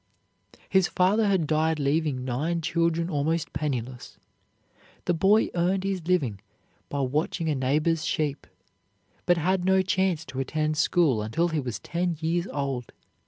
His father had died leaving nine children almost penniless. The boy earned his living by watching a neighbor's sheep, but had no chance to attend school until he was ten years old.